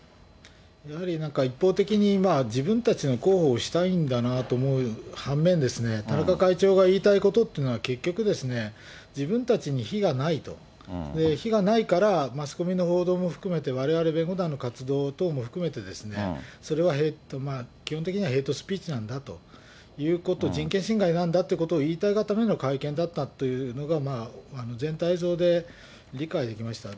やはりなんか一方的に、自分たちの広報をしたいんだなと思う反面、田中会長が言いたいことっていうのは、結局ですね、自分たちに非がないと、火がないから、マスコミの報道も含めて、われわれ弁護団の活動等も含めて、それは基本的にヘイトスピーチなんだと、人権侵害なんだってことを言いたいがための会見だったというのが、まあ全体像で理解できました。